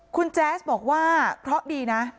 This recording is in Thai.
คุณแยชบอกว่าเพราะดีนะ